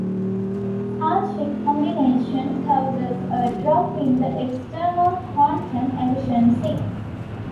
Charge recombination causes a drop in the external quantum efficiency.